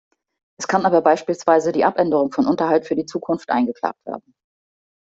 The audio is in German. Es kann aber beispielsweise die Abänderung von Unterhalt für die Zukunft eingeklagt werden.